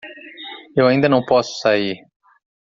Eu ainda não posso sair